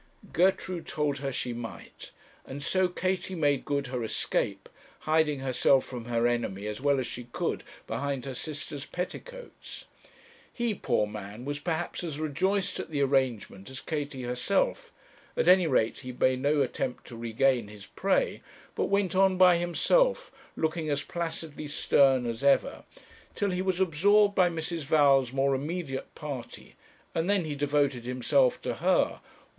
Gertrude told her she might, and so Katie made good her escape, hiding herself from her enemy as well as she could behind her sister's petticoats. He, poor man, was perhaps as rejoiced at the arrangement as Katie herself; at any rate he made no attempt to regain his prey, but went on by himself, looking as placidly stern as ever, till he was absorbed by Mrs. Val's more immediate party, and then he devoted himself to her, while M.